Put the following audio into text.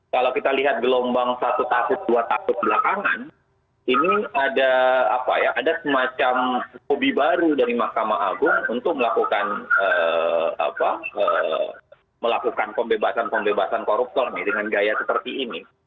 kalau kita lihat gelombang satu tahun dua tahun belakangan ini ada semacam hobi baru dari mahkamah agung untuk melakukan pembebasan pembebasan koruptor nih dengan gaya seperti ini